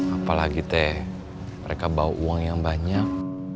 apalagi teh mereka bawa uang yang banyak